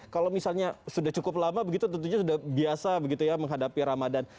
kalau misalnya sudah cukup lama tentunya sudah biasa menghadapi ramadan